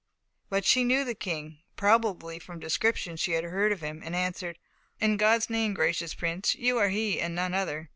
But she knew the King, probably from descriptions she had heard of him, and answered: "In God's name, gracious Prince, you are he, and none other."